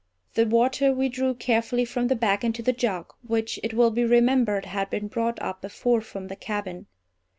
The water we drew carefully from the bag into the jug; which, it will be remembered, had been brought up before from the cabin.